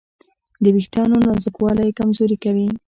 د وېښتیانو نازکوالی یې کمزوري کوي.